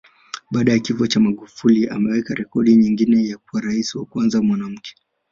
Baada ya kifo cha Magufuli ameweka rekodi nyingine ya kuwa Rais wa kwanza mwanamke